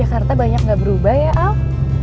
jakarta banyak enggak berubah ya al